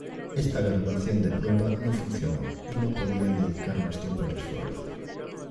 Esta grabación de prueba no funcionó y no podían dedicar más tiempo al esfuerzo.